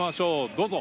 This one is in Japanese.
どうぞ。